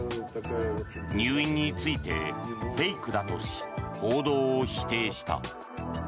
入院についてフェイクだとし報道を否定した。